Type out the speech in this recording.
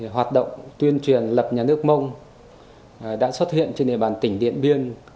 hoạt động tuyên truyền lập nhà nước mông đã xuất hiện trên địa bàn tỉnh điện biên